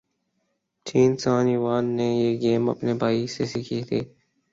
چین San Yuan نے یہ game اپنے بھائی سے سیکھی تھی